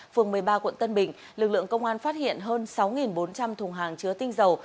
phường một mươi ba tp tp tp đà nẵng lực lượng công an phát hiện hơn sáu bốn trăm linh thùng hàng chứa tinh dầu